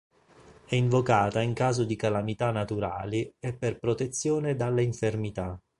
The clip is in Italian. È invocata in caso di calamità naturali e per protezione dalle infermità.